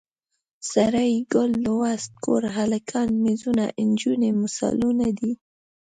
سړی، ګل، لوست، کور، هلکان، میزونه، نجونې مثالونه دي.